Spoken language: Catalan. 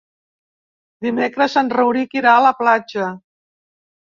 Dimecres en Rauric irà a la platja.